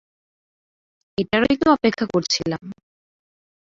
এটারই তো অপেক্ষা করছিলাম!